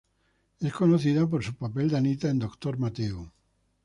Es conocida por su papel de Anita en Doctor Mateo.